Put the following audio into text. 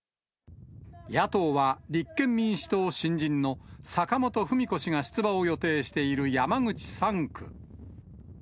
野党は立憲民主党新人の、坂本史子氏が出馬を予定している山口３区。